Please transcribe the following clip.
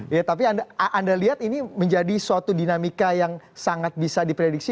ya tapi anda lihat ini menjadi suatu dinamika yang sangat bisa diprediksi